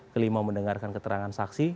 kelima mendengarkan keterangan saksi